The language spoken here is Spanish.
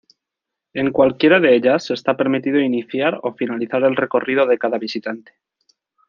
En cualquiera de ellas está permitido iniciar o finalizar el recorrido de cada visitante.